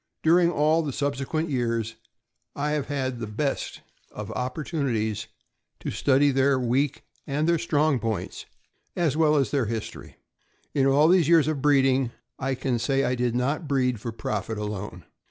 During all the subsequent years, I have had the best of opportunities to study their weak and their strong points, as well as their history. In all these years of breeding,* I can say I did not breed for profit alone.